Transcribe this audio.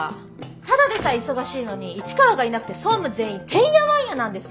ただでさえ忙しいのに市川がいなくて総務全員てんやわんやなんです！